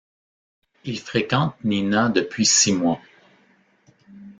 Il fréquente Nina depuis six mois.